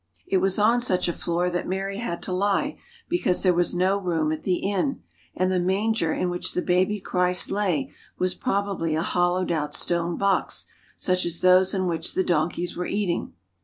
It was on such a floor that Mary had to lie, because there was no room at the inn, and the manger in which the baby Christ lay was probably a hollowed out stone box such as those in which the donkeys were eating.